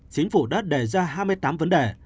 chính phủ đã đề ra hai mươi tám vấn đề